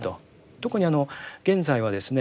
特に現在はですね